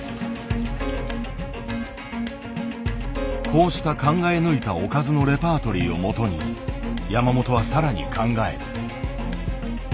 こうした考え抜いたおかずのレパートリーをもとに山本は更に考える。